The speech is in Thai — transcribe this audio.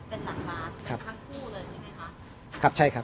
เป็นทั้งคู่เลยใช่ไหมครับ